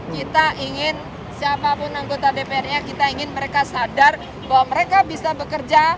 kita ingin siapapun anggota dpr nya kita ingin mereka sadar bahwa mereka bisa bekerja